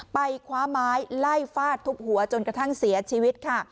คว้าไม้ไล่ฟาดทุบหัวจนกระทั่งเสียชีวิตค่ะ